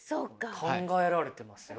考えられてますよ。